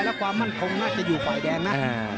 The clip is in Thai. และความมั่นคงน่าจะอยู่ฝ่ายแดงนะ